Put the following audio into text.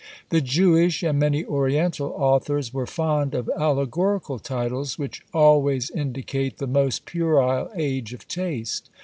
The Jewish and many oriental authors were fond of allegorical titles, which always indicate the most puerile age of taste.